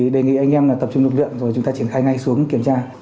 đề nghị anh em tập trung lực lượng rồi chúng ta triển khai ngay xuống kiểm tra